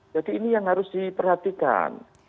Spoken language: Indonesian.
jadi ini yang harus diperhatikan